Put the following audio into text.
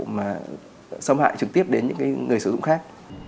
mà xâm hại trực tiếp đến những người sử dụng khác